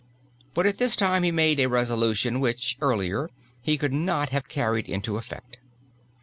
But at this time he made a resolution which, earlier, he could not have carried into effect.